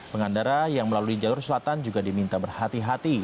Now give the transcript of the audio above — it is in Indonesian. pengendara yang melalui jalur selatan juga diminta berhati hati